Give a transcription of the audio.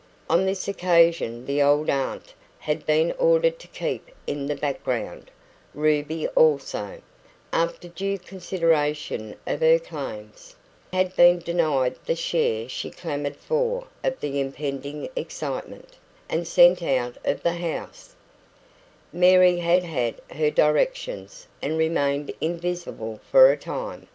On this occasion the old aunt had been ordered to keep in the background; Ruby also, after due consideration of her claims, had been denied the share she clamoured for of the impending excitement, and sent out of the house; Mary had had her directions, and remained invisible for a time.